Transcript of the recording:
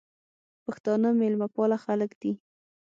پښتانه میلمه پاله خلک دي